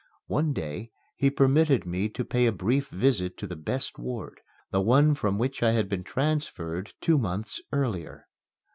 One day he permitted me to pay a brief visit to the best ward the one from which I had been transferred two months earlier.